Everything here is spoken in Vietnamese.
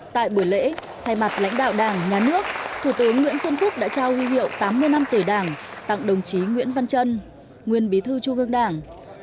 tại buổi lễ thay mặt lãnh đạo đảng nhà nước thủ tướng nguyễn xuân phúc đã trao huy hiệu tám mươi năm tuổi đảng tặng đồng chí nguyễn văn trân nguyên bí thư trung ương đảng